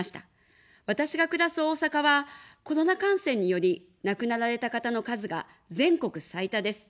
私が暮らす大阪は、コロナ感染により亡くなられた方の数が全国最多です。